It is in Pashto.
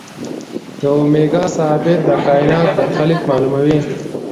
د اومېګا ثابت د کائنات برخلیک معلوموي.